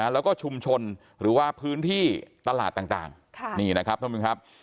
แล้วก็ชุมชนหรือว่าพื้นที่ตลาดต่างนี่นะครับท่านผู้ชมครับ